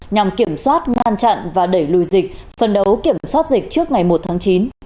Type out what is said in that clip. nhằm kiểm soát ngăn chặn và đẩy lùi dịch phân đấu kiểm soát dịch trước ngày một tháng chín